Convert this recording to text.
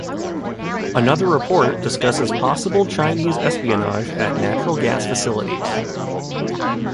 Another report discusses possible Chinese espionage at natural gas facilities.